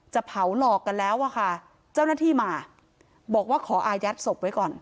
เผาหลอกกันแล้วอะค่ะเจ้าหน้าที่มาบอกว่าขออายัดศพไว้ก่อน